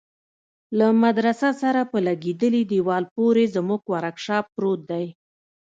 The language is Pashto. له مدرسه سره په لگېدلي دېوال پورې زموږ ورکشاپ پروت دى.